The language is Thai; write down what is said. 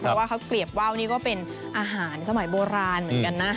เพราะว่าข้าวเกลียบว่าวนี่ก็เป็นอาหารสมัยโบราณเหมือนกันนะ